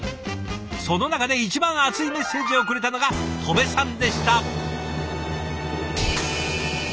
その中で一番熱いメッセージをくれたのが戸部さんでした。